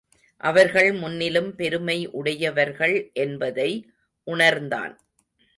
அவர்கள் முன்னிலும் பெருமை உடையவர்கள் என்பதை உணர்ந்தான்.